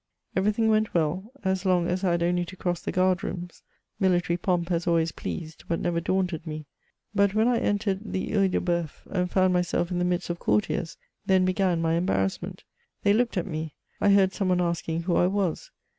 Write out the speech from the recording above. Every thing went well, as long as I had only to cross the guard rooms : military pomp has always pleased, but never daunted me. But, when I entered the OSii de Bceuf, and found myself in the midst of courtiers, then began my embarrass ment. They looked at me e I heard some one asking who I was.